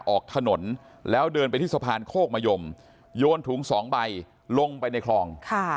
ออกถนนแล้วเดินไปที่สะพานโคกมะยมโยนถุงสองใบลงไปในคลอง